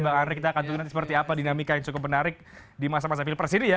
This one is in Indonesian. bang andre kita akan tunggu nanti seperti apa dinamika yang cukup menarik di masa masa pilpres ini ya